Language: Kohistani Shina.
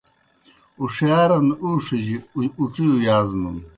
اُݜِیارݨ اُوݜِجیْ اُڇِیؤ یازنَن۔